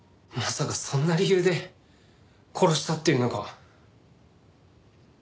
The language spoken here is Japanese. まさかそんな理由で殺したっていうのか？